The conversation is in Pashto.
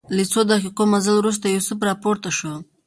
له څو دقیقو مزل وروسته یوسف راپورته شو.